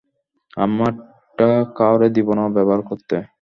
আমারটা কাউরে দিবো না, ব্যাবহার করতে।